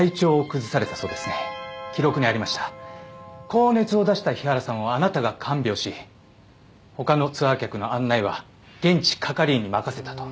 高熱を出した日原さんをあなたが看病し他のツアー客の案内は現地係員に任せたと。